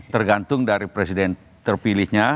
tergantung dari presiden terpilihnya